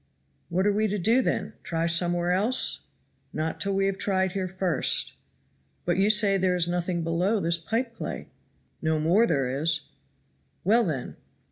"What are we to do, then? try somewhere else?" "Not till we have tried here first." "But you say there is nothing below this pipe clay." "No more there is." "Well, then."